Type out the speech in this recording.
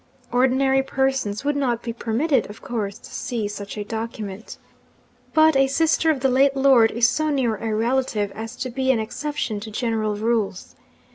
Ordinary persons would not be permitted, of course, to see such a document. But a sister of the late lord is so near a relative as to be an exception to general rules.